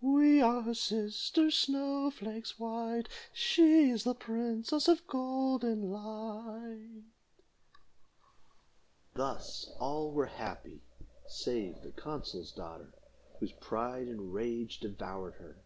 We are her sisters, snow flakes white, She is the princess of golden light." Thus all were happy, save the consul's daughter, whose pride and rage devoured her.